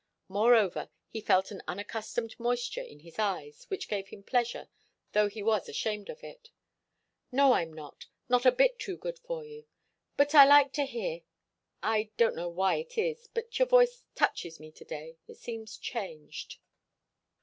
Moreover, he felt an unaccustomed moisture in his eyes which gave him pleasure, though he was ashamed of it. "No, I'm not not a bit too good for you. But I like to hear I don't know why it is, but your voice touches me to day. It seems changed."